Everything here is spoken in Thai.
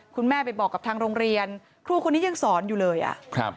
คุณแม่ไปบอกกับทางโรงเรียนครูคนนี้ยังสอนอยู่เลยอ่ะครับ